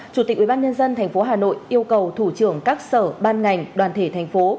chủ tịch ubnd thành phố hà nội yêu cầu thủ trưởng các sở ban ngành đoàn thể thành phố